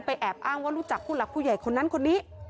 แอบอ้างว่ารู้จักผู้หลักผู้ใหญ่คนนั้นคนนี้